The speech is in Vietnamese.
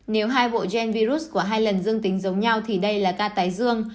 nếu hai bộ gen virus của hai lần dương tính giống nhau thì đây là ca tái dương